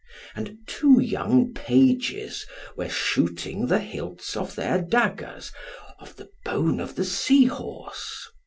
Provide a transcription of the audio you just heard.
And two young pages were shooting the hilts of their daggers, of the bone of the sea horse.